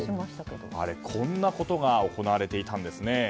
こんなことが行われていたんですね。